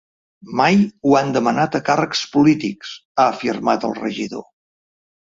Mai ho han demanat a càrrecs polítics, ha afirmat el regidor.